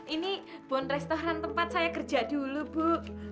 ini bond restoran tempat saya kerja dulu bu